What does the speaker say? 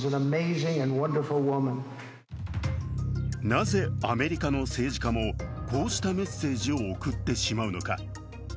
なぜアメリカの政治家もこうしたメッセージを送ってしまうのか。